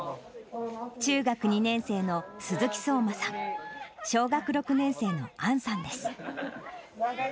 中学２年生の鈴木聡真さん、小学６年生の杏さんです。